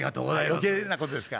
余計なことですか。